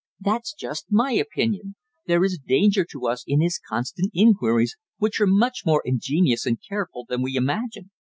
"That's just my opinion. There is danger to us in his constant inquiries, which are much more ingenious and careful than we imagine."